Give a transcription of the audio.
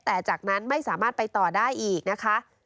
แต่จากนั้นไม่สามารถไปต่อได้อีกนะคะ